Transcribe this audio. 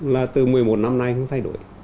là từ một mươi một năm nay không thay đổi